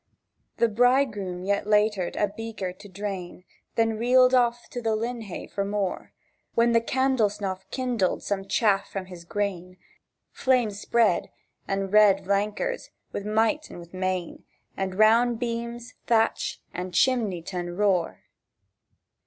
The bridegroom yet laitered a beaker to drain, Then reeled to the linhay for more, When the candle snoff kindled some chaff from his grain— Flames spread, and red vlankers, wi' might and wi' main, And round beams, thatch, and chimley tun roar.